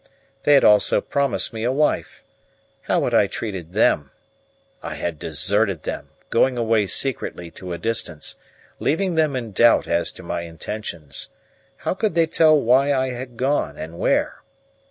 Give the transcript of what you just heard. They had also promised me a wife. How had I treated them? I had deserted them, going away secretly to a distance, leaving them in doubt as to my intentions. How could they tell why I had gone, and where?